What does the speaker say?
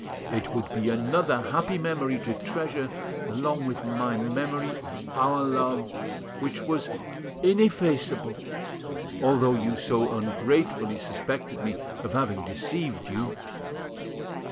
It would be another happy memory to treasure along with my memory of our love, which was ineffaceable, although you so ungratefully suspected me of having deceived you."